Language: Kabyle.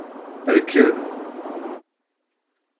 Rked.